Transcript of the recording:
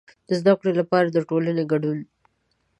د زده کړې لپاره د ټولنې کډون.